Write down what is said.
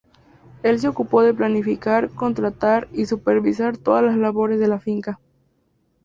Él se ocupó de planificar, contratar y supervisar todas las labores de la finca.